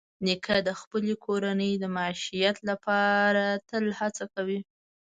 نیکه د خپلې کورنۍ د معیشت لپاره تل هڅه کوي.